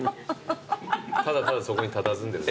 ただただそこにたたずんでる。